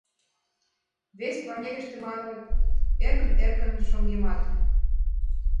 Вес планетыште, маныт, эркын-эркын шоҥгемат.